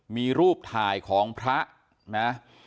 มีรูปถ่ายของพระนะ